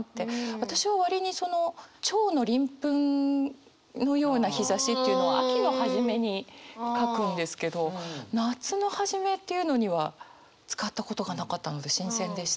私は割にその蝶の鱗粉のような日ざしというのは秋の初めに書くんですけど夏の初めっていうのには使ったことがなかったので新鮮でした。